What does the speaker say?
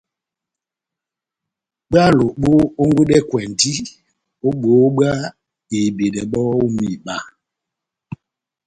Bwálo bόhongwidɛkwɛndi ó bohó bwá ihibidɛ bɔ́ ó mihiba